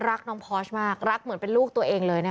รักน้องพอร์ชมากรักเหมือนเป็นลูกตัวเองเลยนะคะ